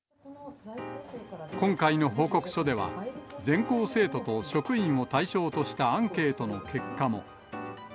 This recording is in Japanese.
今回の報告書では、全校生徒と職員も対象としたアンケートの結果も。